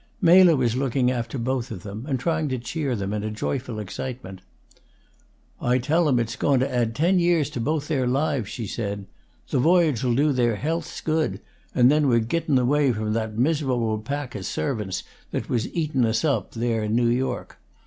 Mela was looking after both of them, and trying to cheer them in a joyful excitement. "I tell 'em it's goun' to add ten years to both their lives," she said. "The voyage 'll do their healths good; and then, we're gittun' away from that miser'ble pack o' servants that was eatun' us up, there in New York.